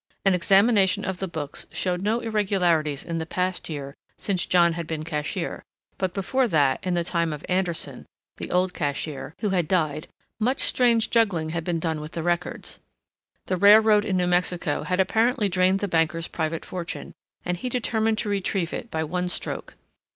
An examination of the books showed no irregularities in the past year since John had been cashier, but before that, in the time of Anderson, the old cashier, who had died, much strange juggling had been done with the records. The railroad in New Mexico had apparently drained the banker's private fortune, and he determined to retrieve it by one stroke.